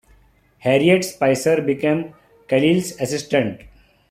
Harriet Spicer became Callil's assistant.